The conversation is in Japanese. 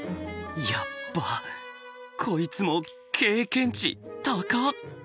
やっばあこいつも経験値高！